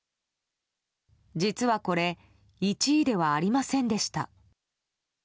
実はこれ１位ではありませんでした。